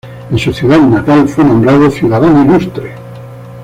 En su ciudad natal fue nombrado ciudadano ilustre.